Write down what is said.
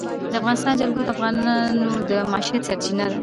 د افغانستان جلکو د افغانانو د معیشت سرچینه ده.